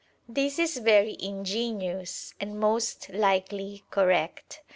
This is very ingenious and most likely correct.